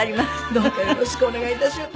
どうかよろしくお願い致します。